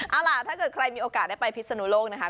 เอาล่ะถ้าเกิดใครมีโอกาสได้ไปพิศนุโลกนะคะ